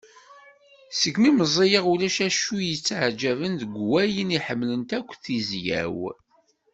Segmi meẓẓiyeɣ ulac acu iyi-ttaɛǧaben deg wayen i ḥemmlent akk tizya-w.